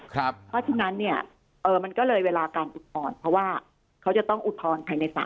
เพราะฉะนั้นเนี่ยมันก็เลยเวลาการอุทธรณ์เพราะว่าเขาจะต้องอุทธรณ์ภายใน๓